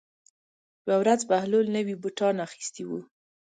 یوه ورځ بهلول نوي بوټان اخیستي وو.